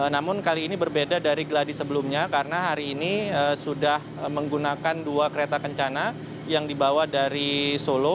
namun kali ini berbeda dari geladi sebelumnya karena hari ini sudah menggunakan dua kereta kencana yang dibawa dari solo